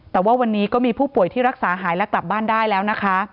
แต่ว่าวันนี้ก็มีผู้ป่วยที่รักษาหายและกลับบ้านได้แล้วนะคะ